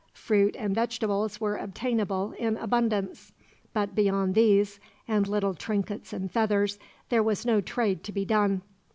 Fruit and vegetables were obtainable in abundance; but beyond these, and little trinkets and feathers, there was no trade to be done.